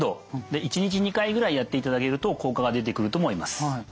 で１日２回ぐらいやっていただけると効果が出てくると思います。